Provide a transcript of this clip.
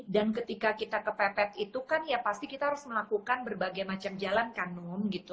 dan ketika kita kepepet itu kan ya pasti kita harus melakukan berbagai macam jalan kanum gitu